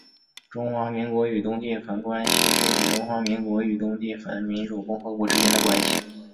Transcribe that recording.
中华民国与东帝汶关系是指中华民国与东帝汶民主共和国之间的关系。